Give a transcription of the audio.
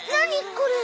これ。